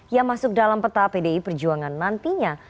yang masuk dalam peta pdi perjuangan nantinya